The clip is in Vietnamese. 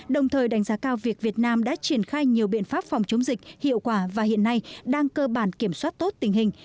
đồng thời đánh giá cao việc việt nam đã triển khai nhiều biện pháp phòng chống dịch hiệu quả và hiện nay đang cơ bản kiểm soát tốt tình hình